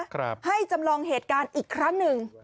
ครับให้จำลองเหตุการณ์อีกครั้งหนึ่ง